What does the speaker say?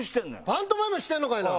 パントマイムしてんのかいな。